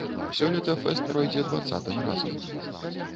Сёлета фэст пройдзе дваццатым разам.